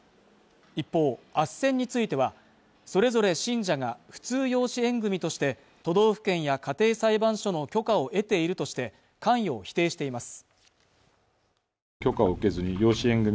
一方あっせんについてはそれぞれ信者が普通養子縁組として都道府県や家庭裁判所の許可を得ているとして関与を否定しています